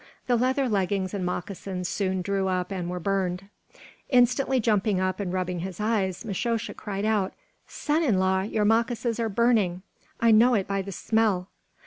The leather leggings and moccasins soon drew up and were burned. Instantly jumping up and rubbing his eyes, Misho sha cried out: "Son in law, your moccasins are burning; I know it by the smell."